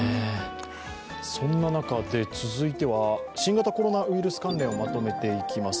そんな中で、続いては新型コロナウイルス関連をまとめていきます。